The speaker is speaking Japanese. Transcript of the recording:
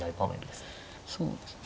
そうですね。